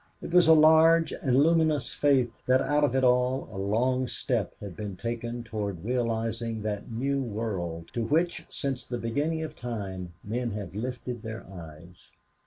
It was a large and luminous faith that out of it all a long step had been taken toward realizing that new world to which, since the beginning of time, men have lifted their eyes.